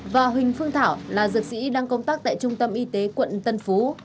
và huỳnh phương thảo là dược sĩ đang công tác tại trung tâm y tế quận tân phú